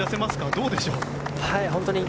どうでしょう。